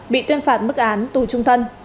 bị tuyên phạt bức án tù trung thân